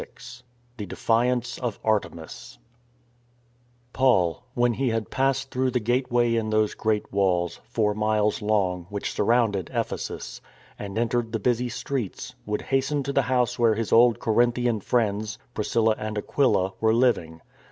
XXVI THE DEFIANCE OF ARTEMIS PAUL, when he had passed through the gateway in those great walls, four miles long, which sur rounded Ephesus, and entered the busy streets, would hasten to the house where his old Corinthian friends, Priscilla and Aquila, were living.